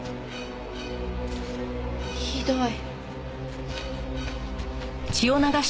ひどい。